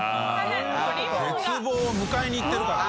絶望を迎えに行ってるからね。